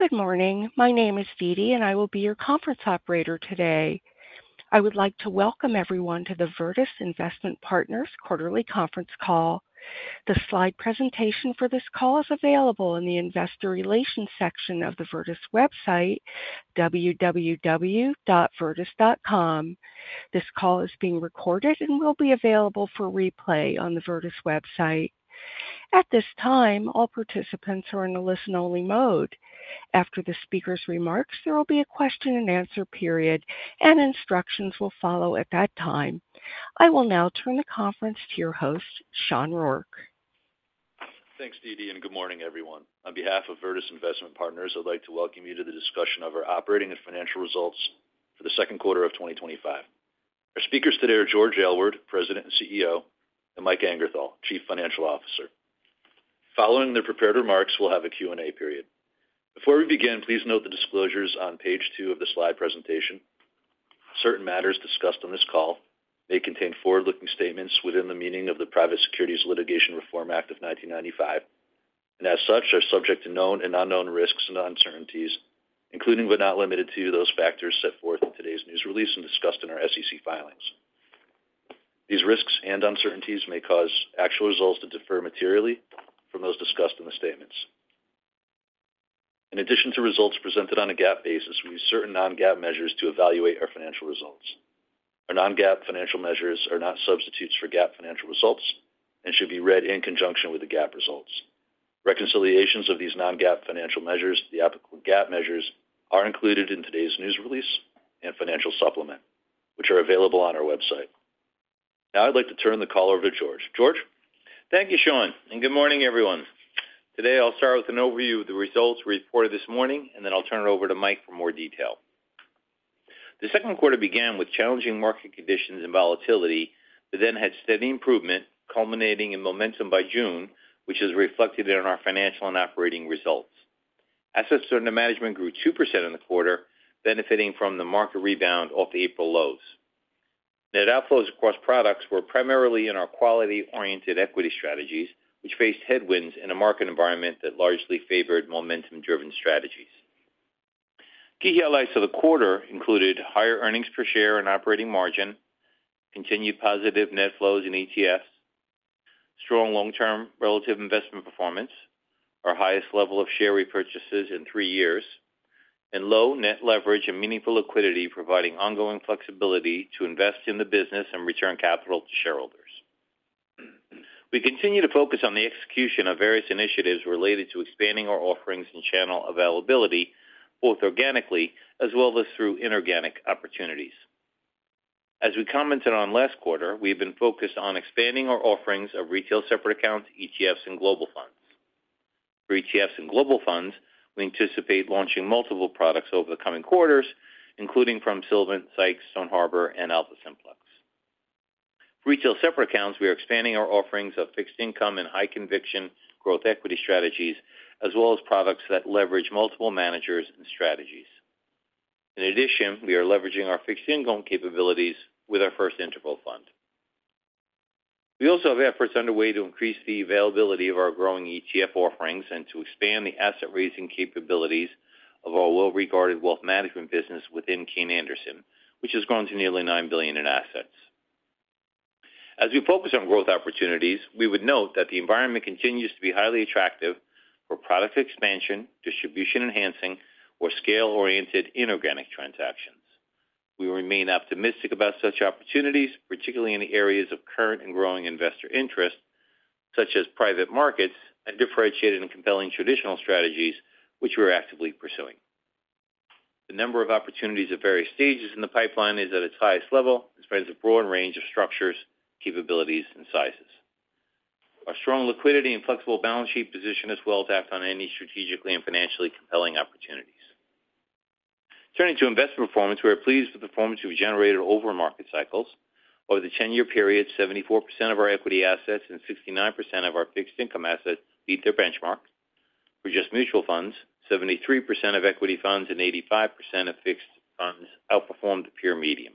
Good morning. My name is Deedee, and I will be your conference operator today. I would like to welcome everyone to the Virtus Investment Partners Quarterly Conference Call. The slide presentation for this call is available in the Investor Relations section of the Virtus website, www.virtus.com. This call is being recorded and will be available for replay on the Virtus website. At this time, all participants are in the listen-only mode. After the speaker's remarks, there will be a question and answer period, and instructions will follow at that time. I will now turn the conference to your host, Sean Rourke. Thanks, Deedee, and good morning, everyone. On behalf of Virtus Investment Partners, I'd like to welcome you to the discussion of our operating and financial results for the second quarter of 2025. Our speakers today are George Aylward, President and CEO, and Mike Angerthal, Chief Financial Officer. Following the prepared remarks, we'll have a Q&A period. Before we begin, please note the disclosures on page two of the slide presentation. Certain matters discussed on this call may contain forward-looking statements within the meaning of the Private Securities Litigation Reform Act of 1995, and as such, are subject to known and unknown risks and uncertainties, including but not limited to those factors set forth in today's news release and discussed in our SEC filings. These risks and uncertainties may cause actual results to differ materially from those discussed in the statements. In addition to results presented on a GAAP basis, we use certain non-GAAP measures to evaluate our financial results. Our non-GAAP financial measures are not substitutes for GAAP financial results and should be read in conjunction with the GAAP results. Reconciliations of these non-GAAP financial measures with the applicable GAAP measures are included in today's news release and financial supplement, which are available on our website. Now I'd like to turn the call over to George. George? Thank you, Sean, and good morning, everyone. Today, I'll start with an overview of the results we reported this morning, and then I'll turn it over to Mike for more detail. The second quarter began with challenging market conditions and volatility, but then had steady improvement, culminating in momentum by June, which is reflected in our financial and operating results. Assets under management grew 2% in the quarter, benefiting from the market rebound off the April lows. Net outflows across products were primarily in our quality-oriented equity strategies, which faced headwinds in a market environment that largely favored momentum-driven strategies. Key highlights of the quarter included higher earnings per share and operating margin, continued positive net flows in ETF, strong long-term relative investment performance, our highest level of share repurchases in three years, and low net leverage and meaningful liquidity, providing ongoing flexibility to invest in the business and return capital to shareholders. We continue to focus on the execution of various initiatives related to expanding our offerings and channel availability, both organically as well as through inorganic opportunities. As we commented on last quarter, we've been focused on expanding our offerings of retail separate accounts, ETFs, and global funds. For ETFs and global funds, we anticipate launching multiple products over the coming quarters, including from Sylvan, Sykes, Stone Harbor, and AlphaSimplex. For retail separate accounts, we are expanding our offerings of fixed income and high-conviction growth equity strategies, as well as products that leverage multiple managers and strategies. In addition, we are leveraging our fixed income capabilities with our first interval fund. We also have efforts underway to increase the availability of our growing ETF offerings and to expand the asset raising capabilities of our well-regarded wealth management business within Kayne Anderson, which has grown to nearly $9 billion in assets. As we focus on growth opportunities, we would note that the environment continues to be highly attractive for product expansion, distribution enhancing, or scale-oriented inorganic transactions. We remain optimistic about such opportunities, particularly in the areas of current and growing investor interest, such as private markets and differentiated and compelling traditional strategies, which we're actively pursuing. The number of opportunities at various stages in the pipeline is at its highest level and spreads a broad range of structures, capabilities, and sizes. Our strong liquidity and flexible balance sheet position us well to act on any strategically and financially compelling opportunities. Turning to investment performance, we're pleased with the performance we've generated over market cycles. Over the 10-year period, 74% of our equity assets and 69% of our fixed income assets beat their benchmark. For just mutual funds, 73% of equity funds and 85% of fixed funds outperformed the peer median.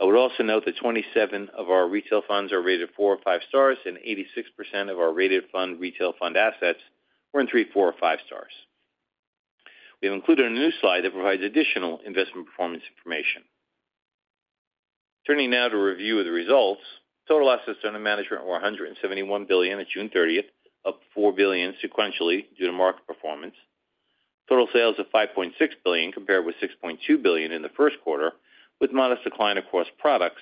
I would also note that 27 of our retail funds are rated four or five stars, and 86% of our rated retail fund assets were in three, four, or five stars. We've included a new slide that provides additional investment performance information. Turning now to review of the results, total assets under management were $171 billion at June 30, up $4 billion sequentially due to market performance. Total sales of $5.6 billion compared with $6.2 billion in the first quarter, with modest decline across products,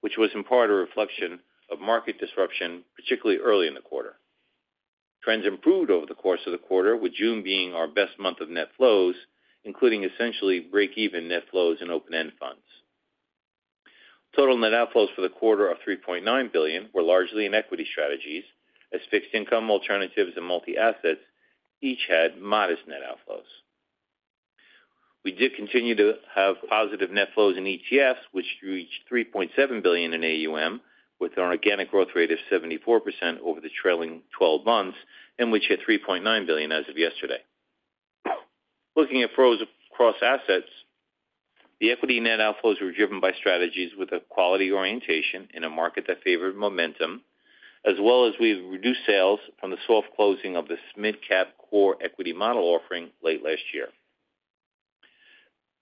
which was in part a reflection of market disruption, particularly early in the quarter. Trends improved over the course of the quarter, with June being our best month of net flows, including essentially break-even net flows in open-end funds. Total net outflows for the quarter of $3.9 billion were largely in equity strategies, as fixed income, alternatives, and multi-assets each had modest net outflows. We did continue to have positive net flows in ETFs, which reached $3.7 billion in AUM, with an organic growth rate of 74% over the trailing 12 months, and which hit $3.9 billion as of yesterday. Looking at flows across assets, the equity net outflows were driven by strategies with a quality orientation in a market that favored momentum, as well as reduced sales from the soft closing of the SMID-cap core equity model offering late last year.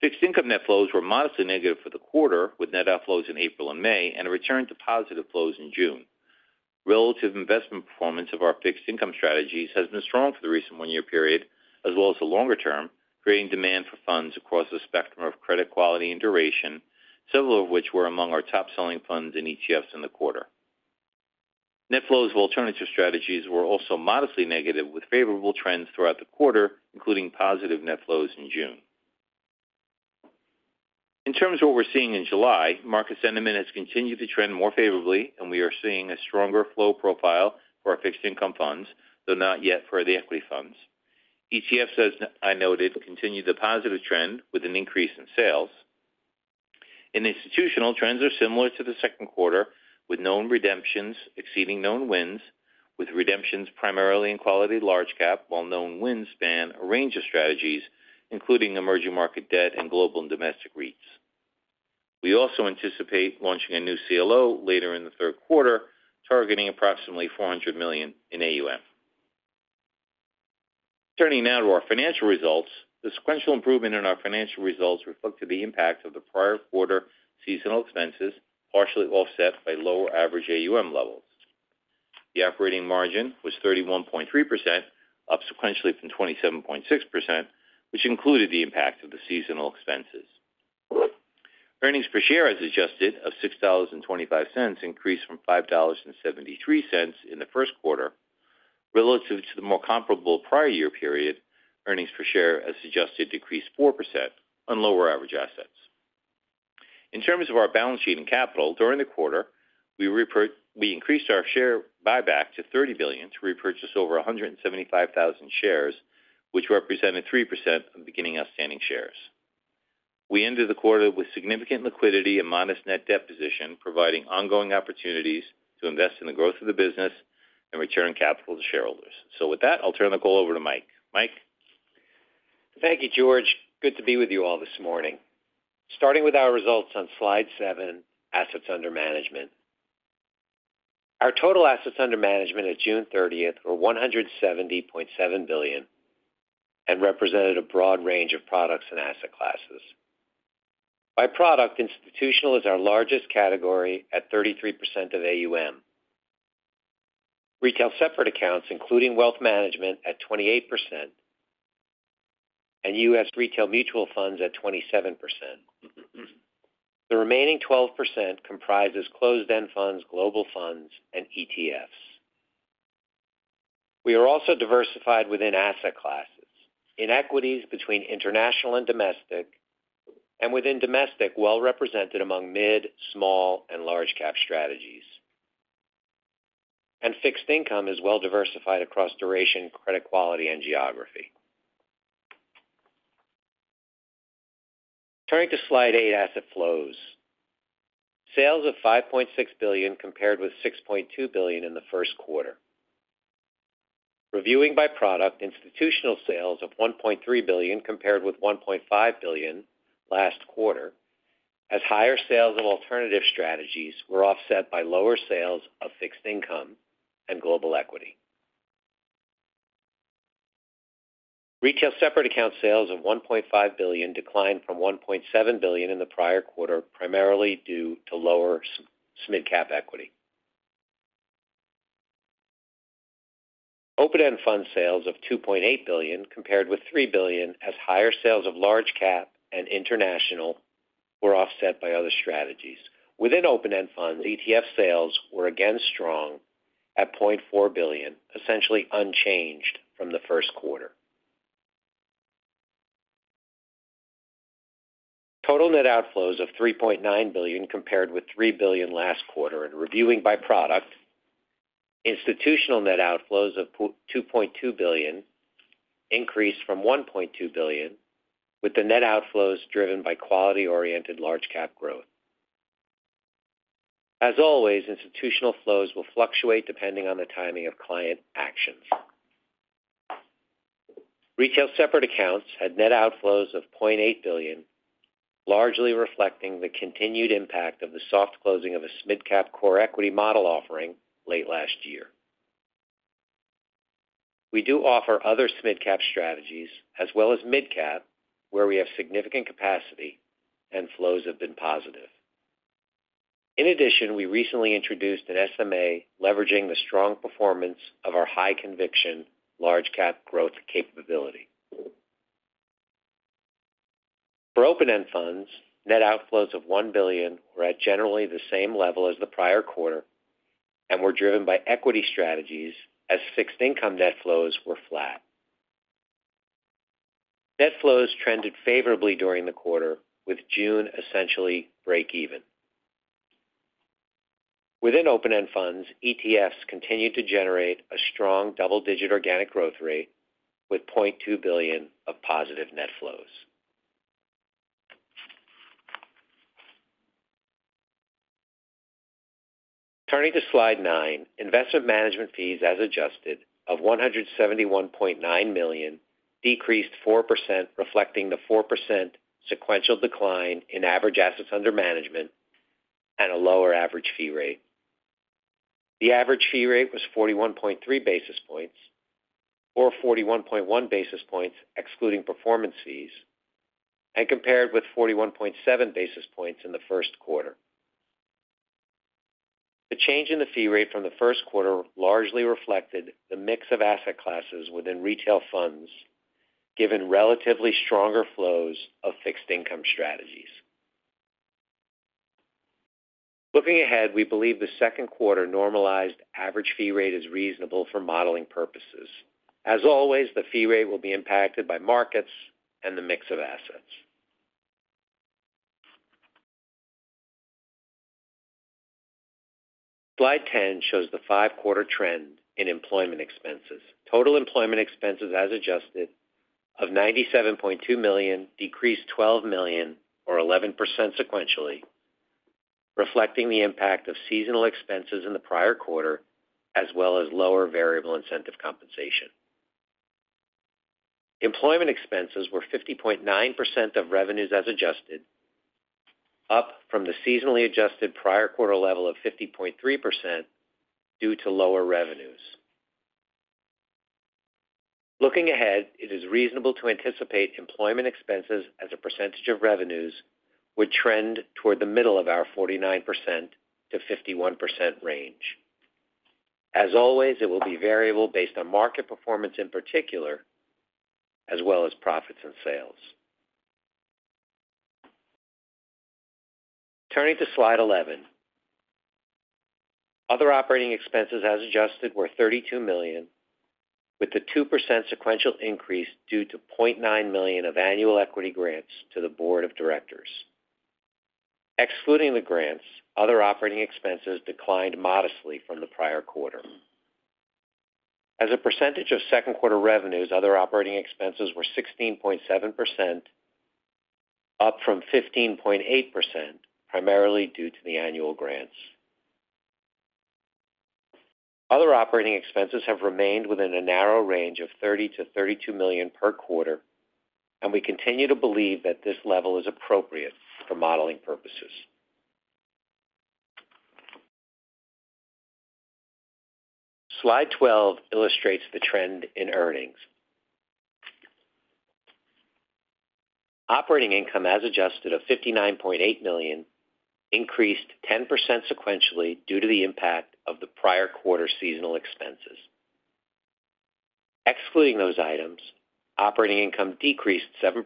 Fixed income net flows were modestly negative for the quarter, with net outflows in April and May and a return to positive flows in June. Relative investment performance of our fixed income strategies has been strong for the recent one-year period, as well as the longer term, creating demand for funds across the spectrum of credit quality and duration, several of which were among our top selling funds and ETFs in the quarter. Net flows of alternative strategies were also modestly negative, with favorable trends throughout the quarter, including positive net flows in June. In terms of what we're seeing in July, market sentiment has continued to trend more favorably, and we are seeing a stronger flow profile for our fixed income funds, though not yet for the equity funds. ETFs, as I noted, continue the positive trend with an increase in sales. In institutional, trends are similar to the second quarter, with known redemptions exceeding known wins, with redemptions primarily in quality large cap, while known wins span a range of strategies, including emerging market debt and global and domestic REITs. We also anticipate launching a new CLO later in the third quarter, targeting approximately $400 million in AUM. Turning now to our financial results, the sequential improvement in our financial results reflected the impact of the prior quarter seasonal expenses, partially offset by lower average AUM levels. The operating margin was 31.3%, up sequentially from 27.6%, which included the impact of the seasonal expenses. Earnings per share as adjusted of $6.25, increased from $5.73 in the first quarter. Relative to the more comparable prior year period, earnings per share as adjusted decreased 4% on lower average assets. In terms of our balance sheet and capital during the quarter, we increased our share buyback to $30 million to repurchase over 175,000 shares, which represented 3% of beginning outstanding shares. We ended the quarter with significant liquidity and modest net debt position, providing ongoing opportunities to invest in the growth of the business and return capital to shareholders. With that, I'll turn the call over to Mike. Mike? Thank you, George. Good to be with you all this morning. Starting with our results on slide seven, assets under management. Our total assets under management at June 30th were $170.7 billion and represented a broad range of products and asset classes. By product, institutional is our largest category at 33% of AUM. Retail separate accounts, including wealth management, at 28% and U.S. retail mutual funds at 27%. The remaining 12% comprises closed-end funds, global funds, and ETFs. We are also diversified within asset classes. In equities between international and domestic, and within domestic, well-represented among mid, small, and large cap strategies. Fixed income is well-diversified across duration, credit quality, and geography. Turning to slide eight, asset flows. Sales of $5.6 billion compared with $6.2 billion in the first quarter. Reviewing by product, institutional sales of $1.3 billion compared with $1.5 billion last quarter, as higher sales of alternative strategies were offset by lower sales of fixed income and global equity. Retail separate account sales of $1.5 billion declined from $1.7 billion in the prior quarter, primarily due to lower SMID-cap equity. Open-end fund sales of $2.8 billion compared with $3 billion, as higher sales of large cap and international were offset by other strategies. Within open-end funds, ETF sales were again strong at $0.4 billion, essentially unchanged from the first quarter. Total net outflows of $3.9 billion compared with $3 billion last quarter. Reviewing by product, institutional net outflows of $2.2 billion increased from $1.2 billion, with the net outflows driven by quality-oriented large cap growth. Institutional flows will fluctuate depending on the timing of client actions. Retail separate accounts had net outflows of $0.8 billion, largely reflecting the continued impact of the soft closing of a SMID-cap core equity model offering late last year. We do offer other SMID-cap strategies, as well as mid-cap, where we have significant capacity and flows have been positive. In addition, we recently introduced an SMA, leveraging the strong performance of our high conviction large cap growth capability. For open-end funds, net outflows of $1 billion were at generally the same level as the prior quarter and were driven by equity strategies, as fixed income net flows were flat. Net flows trended favorably during the quarter, with June essentially break-even. Within open-end funds, ETFs continued to generate a strong double-digit organic growth rate with $0.2 billion of positive net flows. Turning to slide nine, investment management fees, as adjusted, of $171.9 million decreased 4%, reflecting the 4% sequential decline in average assets under management and a lower average fee rate. The average fee rate was 41.3 basis points, or 41.1 basis points excluding performance fees, and compared with 41.7 basis points in the first quarter. The change in the fee rate from the first quarter largely reflected the mix of asset classes within retail funds, given relatively stronger flows of fixed income strategies. Looking ahead, we believe the second quarter normalized average fee rate is reasonable for modeling purposes. As always, the fee rate will be impacted by markets and the mix of assets. Slide 10 shows the five-quarter trend in employment expenses. Total employment expenses, as adjusted, of $97.2 million decreased $12 million, or 11% sequentially, reflecting the impact of seasonal expenses in the prior quarter, as well as lower variable incentive compensation. Employment expenses were 50.9% of revenues as adjusted, up from the seasonally adjusted prior quarter level of 50.3% due to lower revenues. Looking ahead, it is reasonable to anticipate employment expenses as a percentage of revenues would trend toward the middle of our 49% to 51% range. As always, it will be variable based on market performance in particular, as well as profits and sales. Turning to slide 11, other operating expenses as adjusted were $32 million, with the 2% sequential increase due to $0.9 million of annual equity grants to the Board of Directors. Excluding the grants, other operating expenses declined modestly from the prior quarter. As a percentage of second quarter revenues, other operating expenses were 16.7%, up from 15.8%, primarily due to the annual grants. Other operating expenses have remained within a narrow range of $30 million to $32 million per quarter, and we continue to believe that this level is appropriate for modeling purposes. Slide 12 illustrates the trend in earnings. Operating income as adjusted of $59.8 million increased 10% sequentially due to the impact of the prior quarter seasonal expenses. Excluding those items, operating income decreased 7%,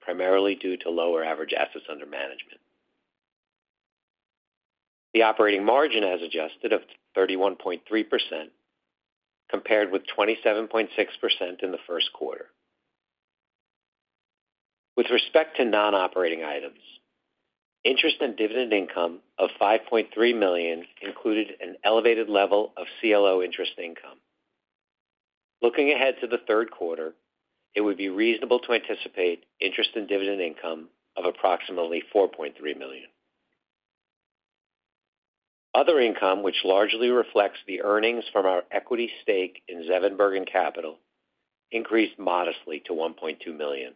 primarily due to lower average assets under management. The operating margin as adjusted of 31.3% compared with 27.6% in the first quarter. With respect to non-operating items, interest and dividend income of $5.3 million included an elevated level of CLO interest income. Looking ahead to the third quarter, it would be reasonable to anticipate interest and dividend income of approximately $4.3 million. Other income, which largely reflects the earnings from our equity stake in Zevenbergen Capital, increased modestly to $1.2 million.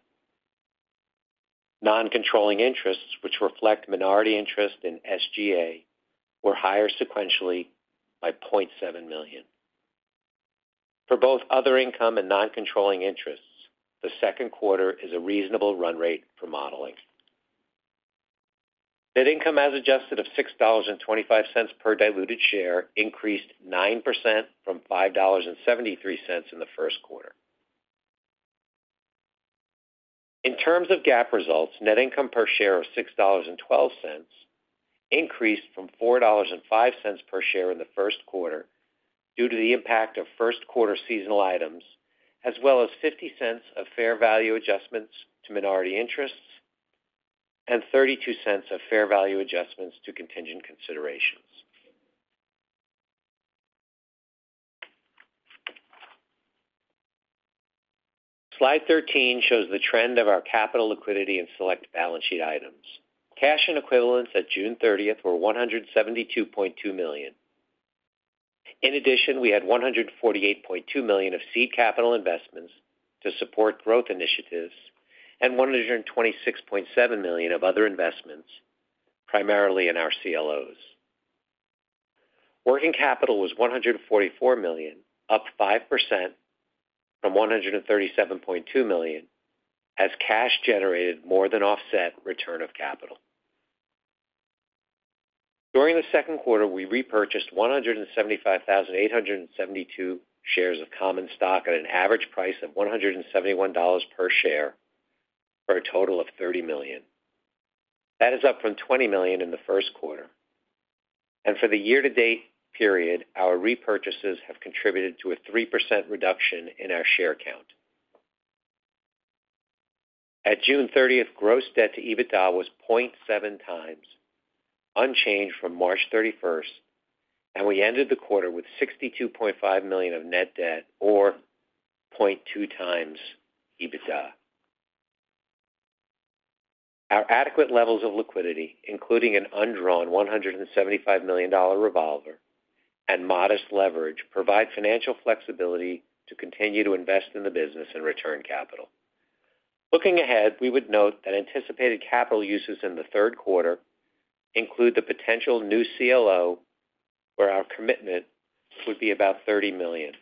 Non-controlling interests, which reflect minority interest in SGA, were higher sequentially by $0.7 million. For both other income and non-controlling interests, the second quarter is a reasonable run rate for modeling. Net income as adjusted of $6.25 per diluted share increased 9% from $5.73 in the first quarter. In terms of GAAP results, net income per share of $6.12 increased from $4.05 per share in the first quarter due to the impact of first quarter seasonal items, as well as $0.50 of fair value adjustments to minority interests and $0.32 of fair value adjustments to contingent considerations. Slide 13 shows the trend of our capital liquidity and select balance sheet items. Cash and equivalents at June 30th were $172.2 million. In addition, we had $148.2 million of seed capital investments to support growth initiatives and $126.7 million of other investments, primarily in our CLOs. Working capital was $144 million, up 5% from $137.2 million, as cash generated more than offset return of capital. During the second quarter, we repurchased 175,872 shares of common stock at an average price of $171 per share for a total of $30 million. That is up from $20 million in the first quarter. For the year-to-date period, our repurchases have contributed to a 3% reduction in our share count. At June 30th, gross debt to EBITDA was 0.7 times, unchanged from March 31st, and we ended the quarter with $62.5 million of net debt, or 0.2 times EBITDA. Our adequate levels of liquidity, including an undrawn $175 million revolver and modest leverage, provide financial flexibility to continue to invest in the business and return capital. Looking ahead, we would note that anticipated capital uses in the third quarter include the potential new CLO, where our commitment would be about $30 million.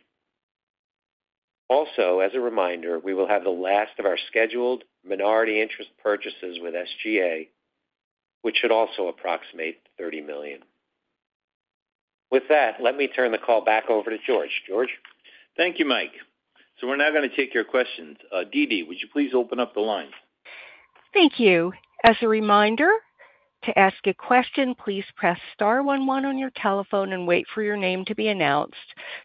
Also, as a reminder, we will have the last of our scheduled minority interest purchases with SGA, which should also approximate $30 million. With that, let me turn the call back over to George. George? Thank you, Mike. We are now going to take your questions. Deedee, would you please open up the line? Thank you. As a reminder, to ask a question, please press star one one on your telephone and wait for your name to be announced.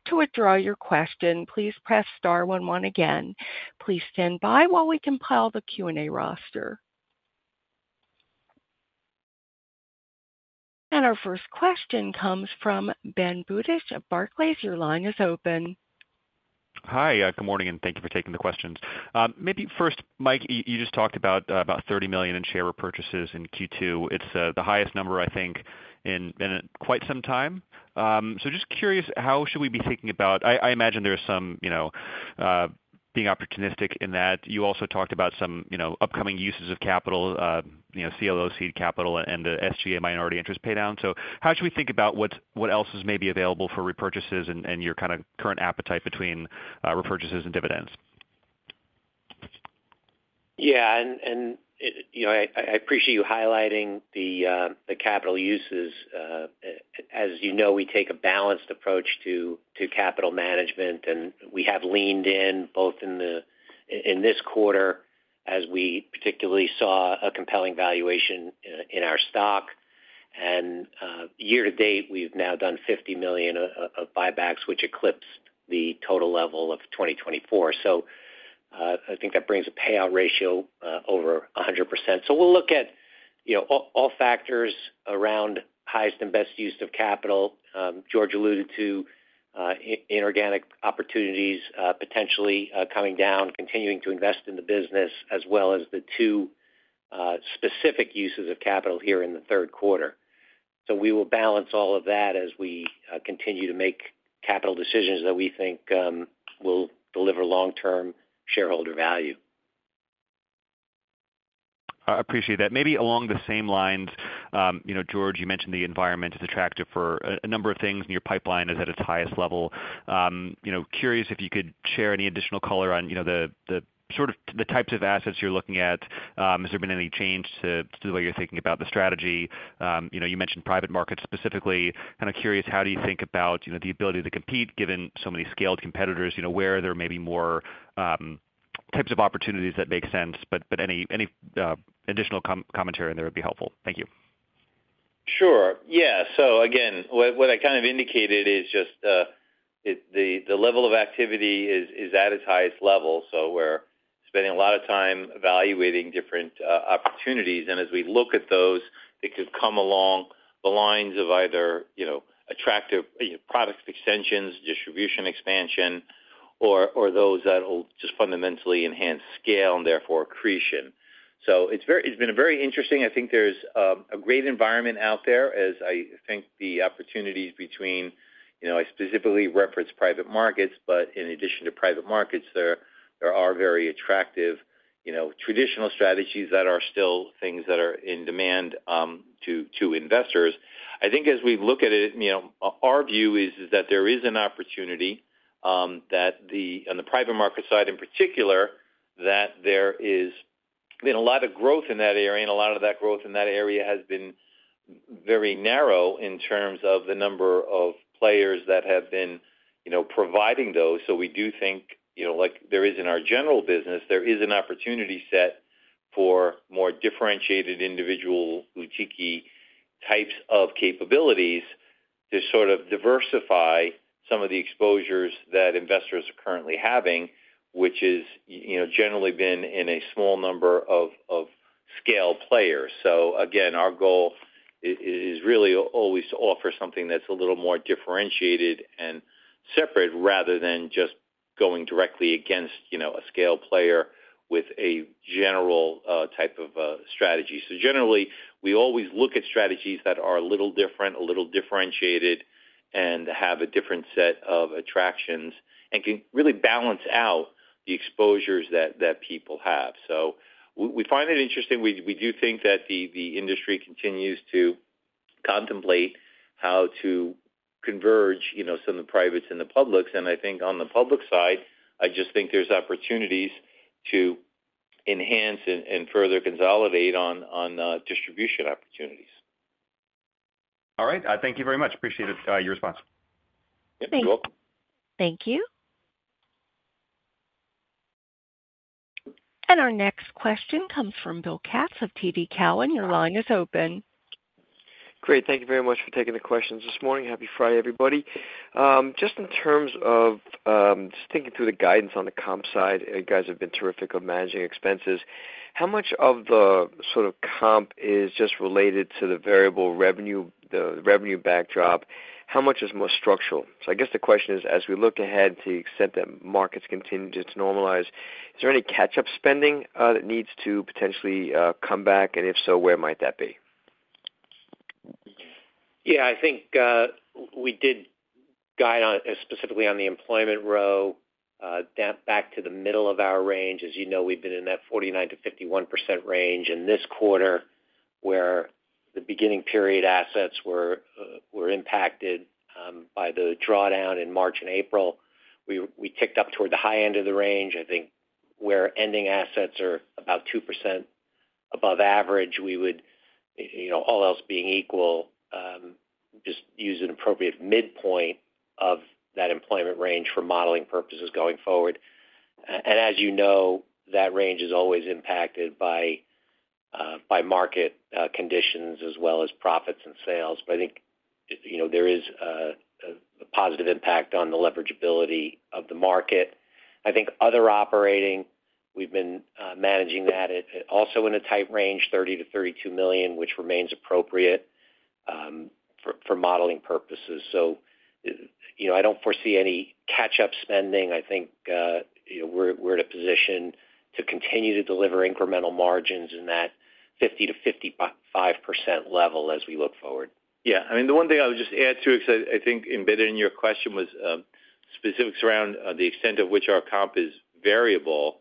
To withdraw your question, please press star one one again. Please stand by while we compile the Q&A roster. Our first question comes from Ben Budish of Barclays. Your line is open. Hi. Good morning, and thank you for taking the questions. Maybe first, Mike, you just talked about $30 million in share repurchases in Q2. It's the highest number, I think, in quite some time. Just curious, how should we be thinking about, I imagine there's some, you know, being opportunistic in that. You also talked about some, you know, upcoming uses of capital, you know, CLO seed capital and the SGA minority interest pay down. How should we think about what else is maybe available for repurchases and your kind of current appetite between repurchases and dividends? Yeah, I appreciate you highlighting the capital uses. As you know, we take a balanced approach to capital management, and we have leaned in both in this quarter, as we particularly saw a compelling valuation in our stock. Year-to-date, we've now done $50 million of buybacks, which eclipsed the total level of 2024. I think that brings a payout ratio over 100%. We'll look at all factors around highest and best use of capital. George alluded to inorganic opportunities potentially coming down, continuing to invest in the business, as well as the two specific uses of capital here in the third quarter. We will balance all of that as we continue to make capital decisions that we think will deliver long-term shareholder value. I appreciate that. Maybe along the same lines, George, you mentioned the environment is attractive for a number of things, and your pipeline is at its highest level. Curious if you could share any additional color on the types of assets you're looking at. Has there been any change to the way you're thinking about the strategy? You mentioned private markets specifically. Kind of curious, how do you think about the ability to compete given so many scaled competitors? There may be more types of opportunities that make sense, but any additional commentary there would be helpful. Thank you. Sure. What I kind of indicated is just the level of activity is at its highest level. We're spending a lot of time evaluating different opportunities, and as we look at those, it could come along the lines of either attractive product extensions, distribution expansion, or those that will just fundamentally enhance scale and therefore accretion. It's been a very interesting environment out there, as I think the opportunities between, I specifically referenced private markets, but in addition to private markets, there are very attractive traditional strategies that are still things that are in demand to investors. As we look at it, our view is that there is an opportunity on the private market side in particular, that there has been a lot of growth in that area, and a lot of that growth in that area has been very narrow in terms of the number of players that have been providing those. We do think, like there is in our general business, there is an opportunity set for more differentiated individual boutique-y types of capabilities to sort of diversify some of the exposures that investors are currently having, which has generally been in a small number of scale players. Our goal is really always to offer something that's a little more differentiated and separate rather than just going directly against a scale player with a general type of strategy. Generally, we always look at strategies that are a little different, a little differentiated, and have a different set of attractions and can really balance out the exposures that people have. We find it interesting. We do think that the industry continues to contemplate how to converge some of the privates and the publics, and I think on the public side, there's opportunities to enhance and further consolidate on distribution opportunities. All right. Thank you very much. Appreciate your response. Thank you. Thank you. Our next question comes from Bill Katz of TD Cowen. Your line is open. Great. Thank you very much for taking the questions this morning. Happy Friday, everybody. Just in terms of just thinking through the guidance on the comp side, you guys have been terrific on managing expenses. How much of the sort of comp is just related to the variable revenue, the revenue backdrop? How much is more structural? I guess the question is, as we look ahead to the extent that markets continue to normalize, is there any catch-up spending that needs to potentially come back, and if so, where might that be? Yeah, I think we did guide specifically on the employment row, damp back to the middle of our range. As you know, we've been in that 49% to 51% range in this quarter, where the beginning period assets were impacted by the drawdown in March and April. We ticked up toward the high end of the range. I think where ending assets are about 2% above average, we would, you know, all else being equal, just use an appropriate midpoint of that employment range for modeling purposes going forward. As you know, that range is always impacted by market conditions as well as profits and sales. I think, you know, there is a positive impact on the leverageability of the market. I think other operating, we've been managing that also in a tight range, $30 million to $32 million, which remains appropriate for modeling purposes. I don't foresee any catch-up spending. I think, you know, we're in a position to continue to deliver incremental margins in that 50% to 55% level as we look forward. Yeah. I mean, the one thing I would just add too, because I think embedded in your question was specifics around the extent of which our comp is variable.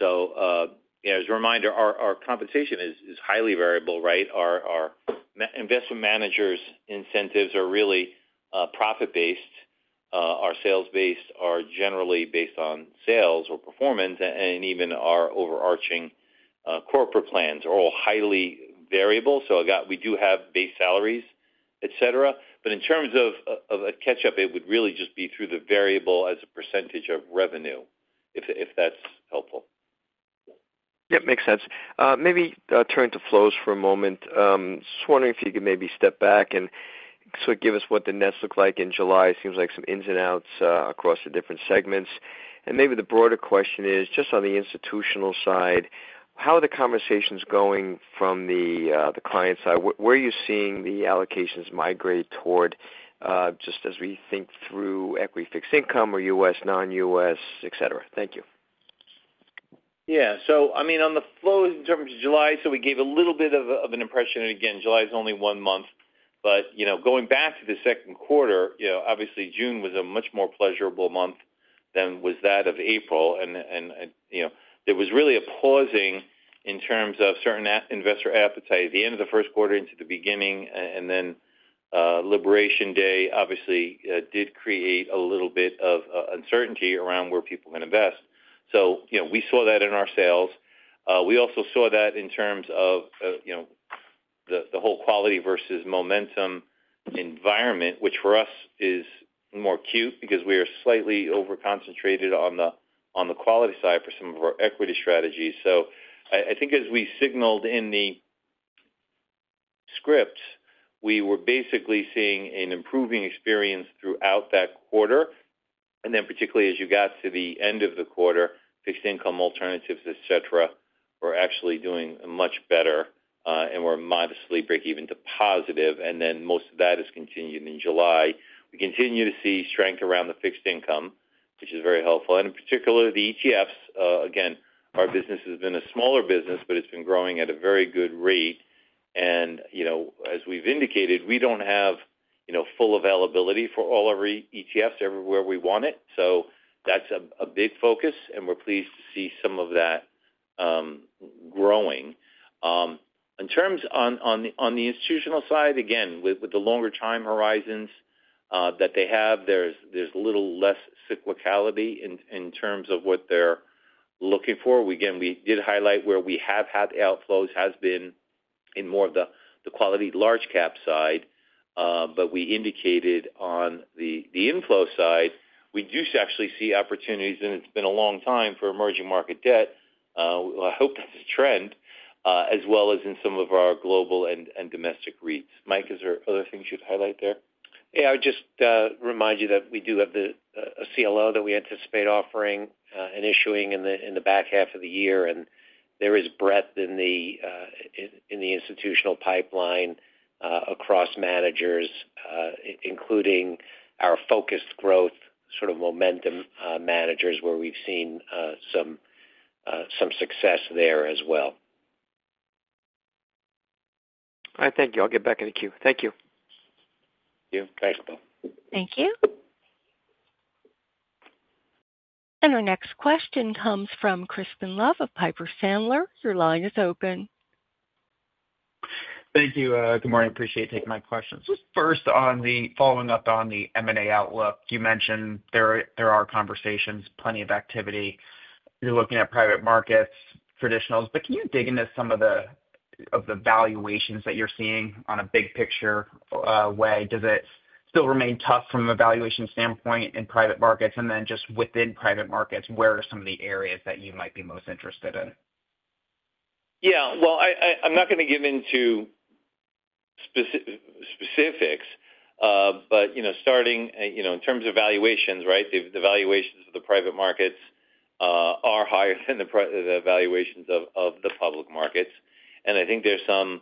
As a reminder, our compensation is highly variable, right? Our investment managers' incentives are really profit-based. Our sales-based are generally based on sales or performance, and even our overarching corporate plans are all highly variable. We do have base salaries, et cetera. In terms of a catch-up, it would really just be through the variable as a percentage of revenue, if that's helpful. Yep, makes sense. Maybe turn to flows for a moment. Just wondering if you could maybe step back and sort of give us what the nets look like in July. It seems like some ins and outs across the different segments. The broader question is, just on the institutional side, how are the conversations going from the client side? Where are you seeing the allocations migrate toward, just as we think through equity, fixed income or U.S., non-U.S., et cetera? Thank you. Yeah. On the flows in terms of July, we gave a little bit of an impression, and again, July is only one month. Going back to the second quarter, obviously June was a much more pleasurable month than was that of April. There was really a pausing in terms of certain investor appetite at the end of the first quarter into the beginning. Liberation Day obviously did create a little bit of uncertainty around where people can invest. We saw that in our sales. We also saw that in terms of the whole quality versus momentum environment, which for us is more acute because we are slightly over-concentrated on the quality side for some of our equity strategies. I think as we signaled in the scripts, we were basically seeing an improving experience throughout that quarter. Particularly as you got to the end of the quarter, fixed income alternatives, et cetera, were actually doing much better and were modestly break-even to positive. Most of that has continued in July. We continue to see strength around the fixed income, which is very helpful. In particular, the ETFs, again, our business has been a smaller business, but it's been growing at a very good rate. As we've indicated, we don't have full availability for all our ETFs everywhere we want it. That's a big focus, and we're pleased to see some of that growing. In terms on the institutional side, with the longer time horizons that they have, there's a little less cyclicality in terms of what they're looking for. We did highlight where we have had the outflows has been in more of the quality large cap side. We indicated on the inflow side, we do actually see opportunities, and it's been a long time for emerging market debt. I hope that's a trend, as well as in some of our global and domestic REITs. Mike, is there other things you'd highlight there? Yeah. I would just remind you that we do have a CLO that we anticipate offering and issuing in the back half of the year. There is breadth in the institutional pipeline across managers, including our focused growth sort of momentum managers, where we've seen some success there as well. All right. Thank you. I'll get back in the queue. Thank you. Thank you. Thanks, Bill. Thank you. Our next question comes from Crispin Love of Piper Sandler. Your line is open. Thank you. Good morning. Appreciate you taking my questions. First, following up on the M&A outlook, you mentioned there are conversations, plenty of activity. You're looking at private markets, traditionals. Can you dig into some of the valuations that you're seeing in a big picture way? Does it still remain tough from a valuation standpoint in private markets? Within private markets, where are some of the areas that you might be most interested in? I'm not going to get into specifics, but starting in terms of valuations, the valuations of the private markets are higher than the valuations of the public markets. I think there's some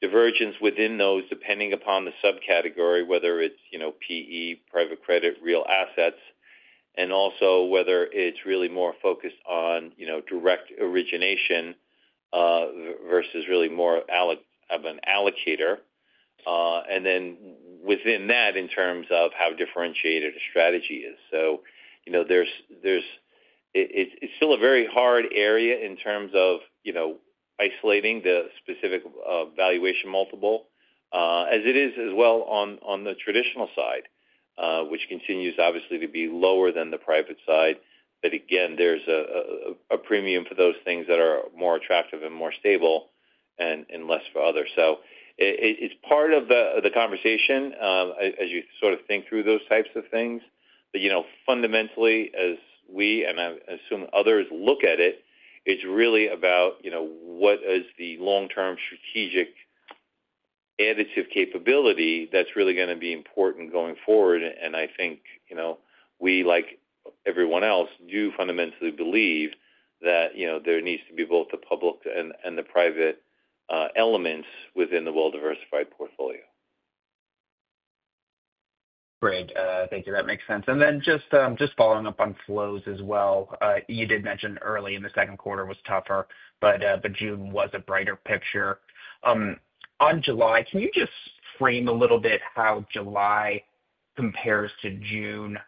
divergence within those depending upon the subcategory, whether it's PE, private credit, real assets, and also whether it's really more focused on direct origination versus really more of an allocator. Within that, in terms of how differentiated a strategy is, it's still a very hard area in terms of isolating the specific valuation multiple, as it is as well on the traditional side, which continues obviously to be lower than the private side. Again, there's a premium for those things that are more attractive and more stable and less for others. It's part of the conversation as you sort of think through those types of things. Fundamentally, as we, and I assume others, look at it, it's really about what is the long-term strategic additive capability that's really going to be important going forward. I think we, like everyone else, do fundamentally believe that there needs to be both the public and the private elements within the well-diversified portfolio. Great. Thank you. That makes sense. Just following up on flows as well, you did mention early in the second quarter was tougher, but June was a brighter picture. On July, can you just frame a little bit how July compares to June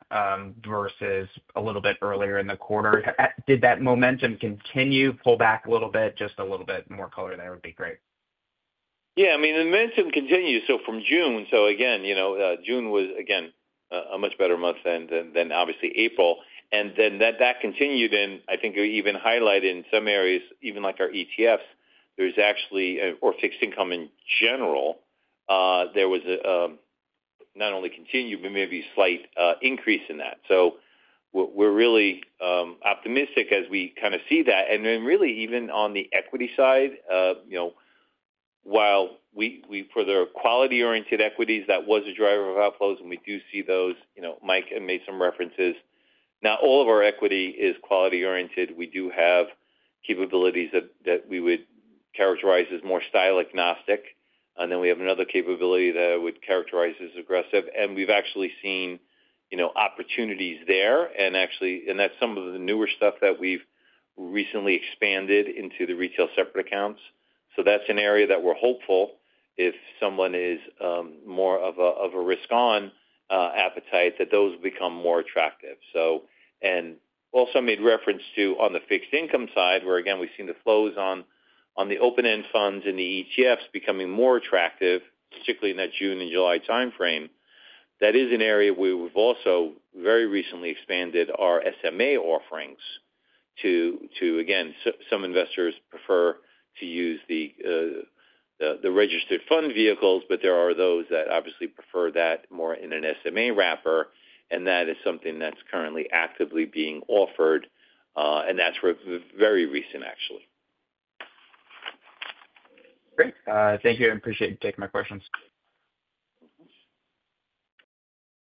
versus a little bit earlier in the quarter? Did that momentum continue, pull back a little bit, just a little bit more color there would be great. Yeah. I mean, the momentum continues. From June, so again, you know, June was, again, a much better month than obviously April. That continued in, I think, even highlighted in some areas, even like our ETFs, there's actually, or fixed income in general, there was not only continued, but maybe a slight increase in that. We're really optimistic as we kind of see that. Really, even on the equity side, you know, while for the quality-oriented equities, that was a driver of outflows, and we do see those, you know, Mike made some references. Not all of our equity is quality-oriented. We do have capabilities that we would characterize as more style agnostic. We have another capability that I would characterize as aggressive. We've actually seen, you know, opportunities there. Actually, that's some of the newer stuff that we've recently expanded into the retail separate accounts. That's an area that we're hopeful, if someone is more of a risk-on appetite, that those become more attractive. Also made reference to on the fixed income side, where again, we've seen the flows on the open-end funds and the ETFs becoming more attractive, particularly in that June and July timeframe. That is an area where we've also very recently expanded our SMA offerings to, again, some investors prefer to use the registered fund vehicles, but there are those that obviously prefer that more in an SMA wrapper. That is something that's currently actively being offered. That's where it's very recent, actually. Great. Thank you. I appreciate you taking my questions.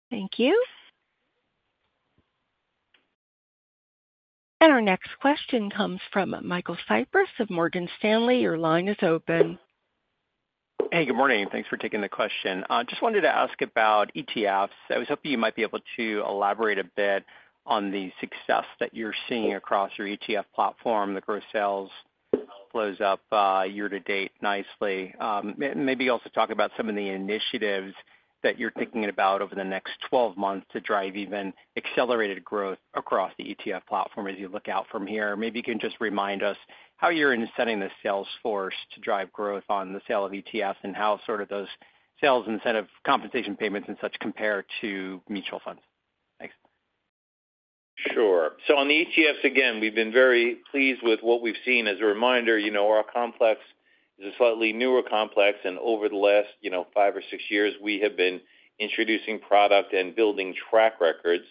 Thank you. Our next question comes from Michael Cyprys of Morgan Stanley. Your line is open. Hey, good morning. Thanks for taking the question. I just wanted to ask about ETFs. I was hoping you might be able to elaborate a bit on the success that you're seeing across your ETF platform. The gross sales flows up year-to-date nicely. Maybe also talk about some of the initiatives that you're thinking about over the next 12 months to drive even accelerated growth across the ETF platform as you look out from here. Maybe you can just remind us how you're in setting the sales force to drive growth on the sale of ETFs and how sort of those sales incentive compensation payments and such compare to mutual funds. Thanks. Sure. On the ETFs, we've been very pleased with what we've seen. As a reminder, our complex is a slightly newer complex. Over the last five or six years, we have been introducing product and building track records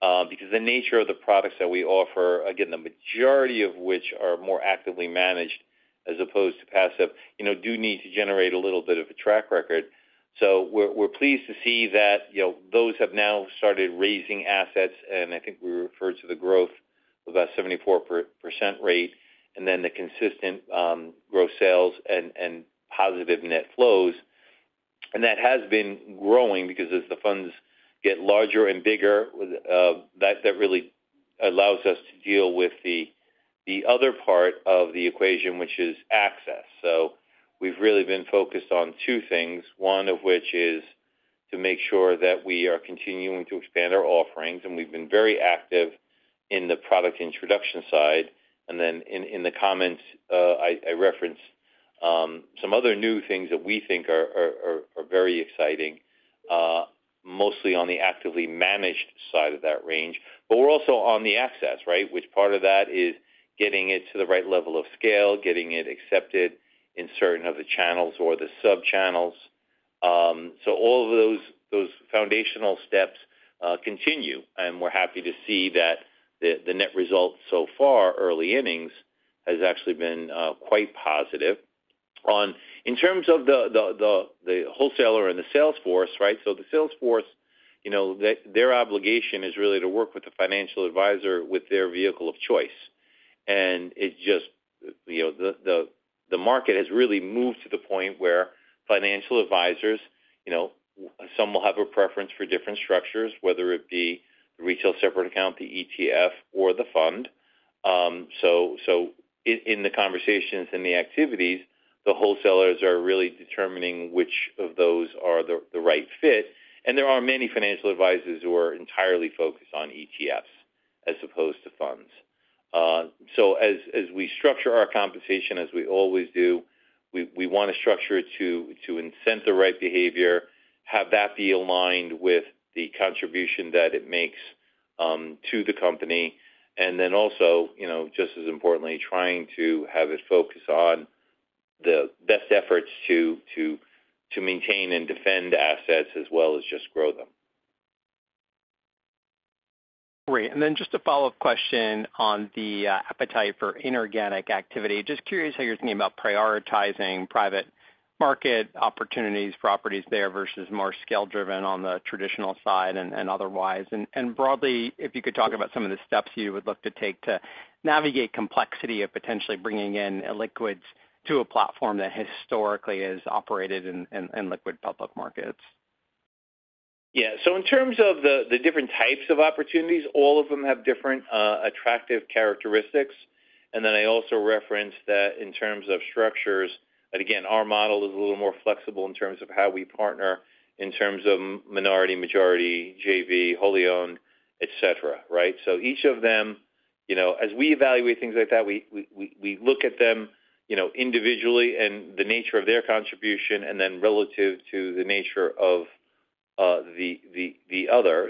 because the nature of the products that we offer, the majority of which are more actively managed as opposed to passive, do need to generate a little bit of a track record. We're pleased to see that those have now started raising assets. I think we referred to the growth of about 74% rate, and then the consistent gross sales and positive net flows. That has been growing because as the funds get larger and bigger, that really allows us to deal with the other part of the equation, which is access. We've really been focused on two things, one of which is to make sure that we are continuing to expand our offerings. We've been very active in the product introduction side. In the comments, I referenced some other new things that we think are very exciting, mostly on the actively managed side of that range. We're also on the access, which part of that is getting it to the right level of scale, getting it accepted in certain of the channels or the sub-channels. All of those foundational steps continue. We're happy to see that the net result so far, early innings, has actually been quite positive. In terms of the wholesaler and the sales force, the sales force, their obligation is really to work with the financial advisor with their vehicle of choice. The market has really moved to the point where financial advisors, some will have a preference for different structures, whether it be the retail separate account, the ETF, or the fund. In the conversations and the activities, the wholesalers are really determining which of those are the right fit. There are many financial advisors who are entirely focused on ETFs as opposed to funds. As we structure our compensation, as we always do, we want to structure it to incent the right behavior, have that be aligned with the contribution that it makes to the company. Just as importantly, trying to have it focus on the best efforts to maintain and defend assets as well as just grow them. Great. Just a follow-up question on the appetite for inorganic activity. I'm curious how you're thinking about prioritizing private market opportunities, properties there versus more scale-driven on the traditional side and otherwise. Broadly, if you could talk about some of the steps you would look to take to navigate complexity of potentially bringing in liquids to a platform that historically has operated in liquid public markets. Yeah. In terms of the different types of opportunities, all of them have different attractive characteristics. I also referenced that in terms of structures, our model is a little more flexible in terms of how we partner in terms of minority, majority, JV, wholly owned, et cetera, right? Each of them, as we evaluate things like that, we look at them individually and the nature of their contribution and then relative to the nature of the other.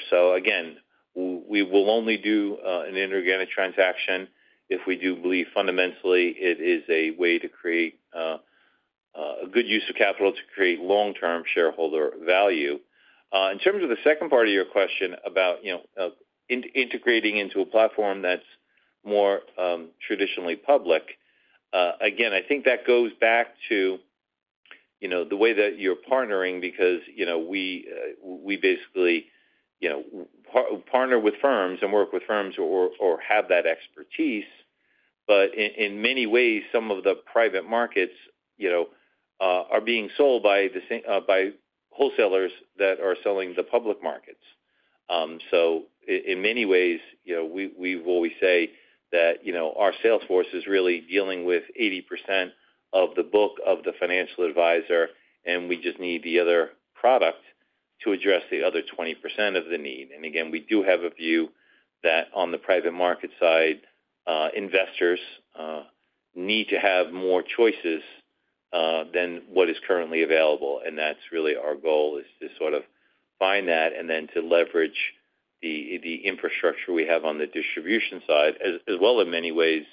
We will only do an inorganic transaction if we do believe fundamentally it is a way to create a good use of capital to create long-term shareholder value. In terms of the second part of your question about integrating into a platform that's more traditionally public, I think that goes back to the way that you're partnering because we basically partner with firms and work with firms or have that expertise. In many ways, some of the private markets are being sold by wholesalers that are selling the public markets. In many ways, we've always said that our sales force is really dealing with 80% of the book of the financial advisor, and we just need the other product to address the other 20% of the need. We do have a view that on the private market side, investors need to have more choices than what is currently available. That's really our goal, to sort of find that and then to leverage the infrastructure we have on the distribution side, as well as in many ways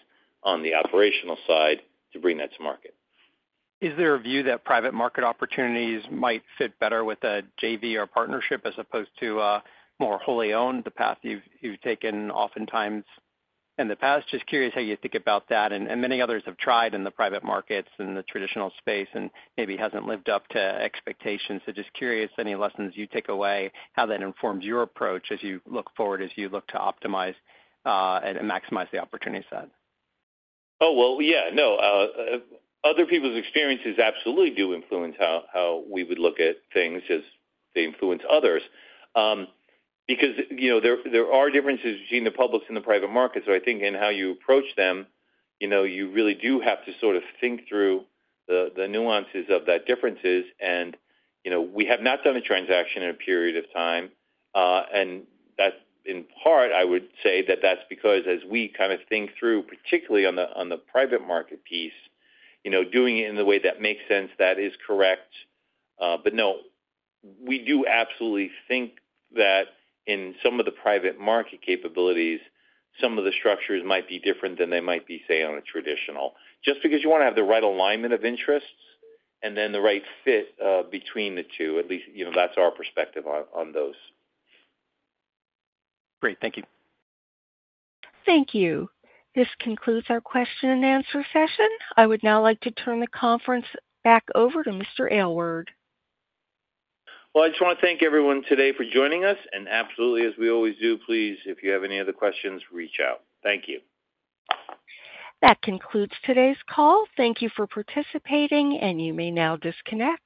on the operational side, to bring that to market. Is there a view that private market opportunities might fit better with a JV or partnership as opposed to more wholly owned, the path you've taken oftentimes in the past? Just curious how you think about that. Many others have tried in the private markets and the traditional space and maybe haven't lived up to expectations. Just curious any lessons you take away, how that informs your approach as you look forward, as you look to optimize and maximize the opportunity side. Other people's experiences absolutely do influence how we would look at things as they influence others. There are differences between the publics and the private markets. I think in how you approach them, you really do have to sort of think through the nuances of that difference. We have not done a transaction in a period of time. That's in part, I would say, because as we kind of think through, particularly on the private market piece, doing it in the way that makes sense, that is correct. We do absolutely think that in some of the private market capabilities, some of the structures might be different than they might be, say, on a traditional. Just because you want to have the right alignment of interests and then the right fit between the two. At least, that's our perspective on those. Great. Thank you. Thank you. This concludes our question and answer session. I would now like to turn the conference back over to Mr. Aylward. I just want to thank everyone today for joining us. As we always do, please, if you have any other questions, reach out. Thank you. That concludes today's call. Thank you for participating, and you may now disconnect.